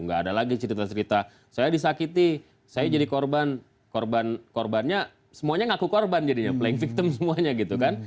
nggak ada lagi cerita cerita saya disakiti saya jadi korban korbannya semuanya ngaku korban jadinya playing victim semuanya gitu kan